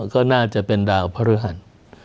ก็น่าจะเป็นดาวพระฤหัส